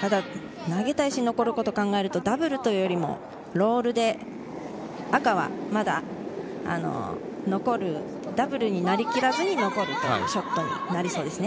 ただ投げた石が残ることを考えるとダブルというよりもロールで赤はまだダブルになりきらずに残るショットになりそうです。